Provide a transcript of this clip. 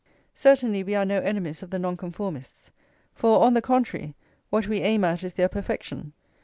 Certainly we are no enemies of the Nonconformists; [xvi] for, on the contrary, what we aim at is their perfection.